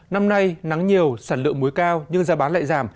năm nay nắng nhiều sản lượng muối cao nhưng giá bán lại giảm